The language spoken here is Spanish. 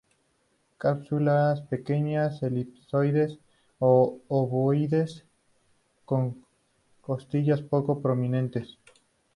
Cápsulas pequeñas, elipsoides u ovoides, con costillas poco prominentes.